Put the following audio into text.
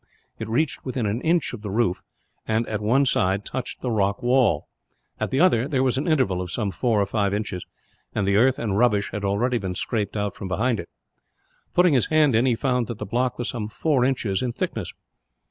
It reached within an inch of the roof and, at one side, touched the rock wall; at the other there was an interval, of some four or five inches, and the earth and rubbish had already been scraped out from behind it. Putting his hand in, he found that the block was some four inches in thickness.